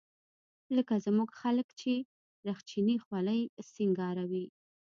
لکه زموږ خلق چې رخچينې خولۍ سينګاروي.